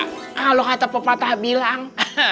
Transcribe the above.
kalau kata pepatah bilang